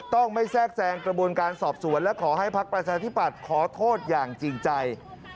ต้องไม่แทรกแซงกระบวนการสอบสวนและขอให้ภักดิ์ประชาธิปัตย์ขอโทษอย่างจริงใจ